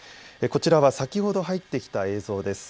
こちらは先ほど入ってきた映像です。